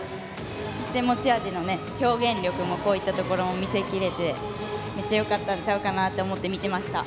そして持ち味の表現力も見せきれてめっちゃよかったんちゃうかなと思って見てました。